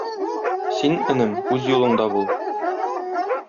Син, энем, үз юлыңда бул